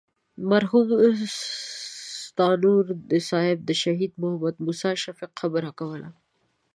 مرحوم ستانور صاحب د شهید محمد موسی شفیق خبره کوله.